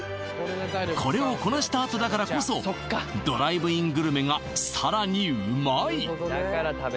これをこなしたあとだからこそドライブイングルメがさらにうまい！